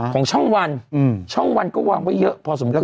ของช่องวันช่องวันก็วางไว้เยอะพอสมควร